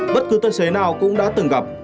bất cứ tài xế nào cũng đã từng gặp